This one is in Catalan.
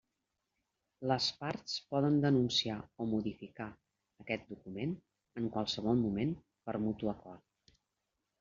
Les parts poden denunciar o modificar aquest document en qualsevol moment per mutu acord.